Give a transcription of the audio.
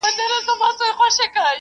چي په ښکار وو د مرغانو راوتلی `